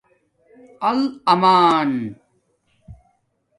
العمݳن